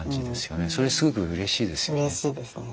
それすごくうれしいですよね。